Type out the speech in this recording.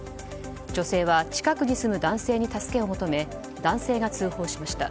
女性は、近くに住む男性に助けを求め男性が通報しました。